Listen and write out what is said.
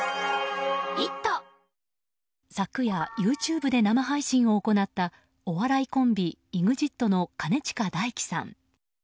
昨夜、ＹｏｕＴｕｂｅで生配信を行ったお笑いコンビＥＸＩＴの兼近大樹さん。